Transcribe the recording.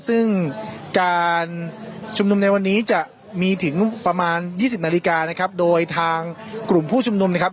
ซึ่งการชุมนุมในวันนี้จะมีถึงประมาณยี่สิบนาฬิกานะครับโดยทางกลุ่มผู้ชุมนุมนะครับ